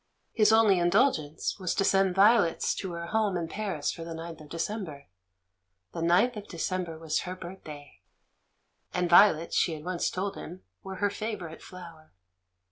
His only indulgence was to send violets to her home in Paris for the ninth of December; the ninth of December was her birthday, and violets, she had once told him, were her favourite flower.